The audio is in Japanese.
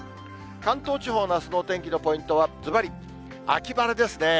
関東地方のあすのお天気のポイントはずばり、秋晴れですね。